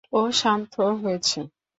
ও শান্ত হয়েছে?